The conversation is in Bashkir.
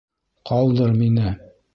Ҡалдыр мине.